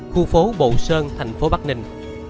khu phố bộ sơn tp văn ninh